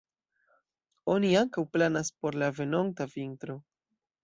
Oni ankaŭ planas por la venonta vintro.